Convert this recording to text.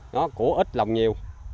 nó của ít lòng nhiều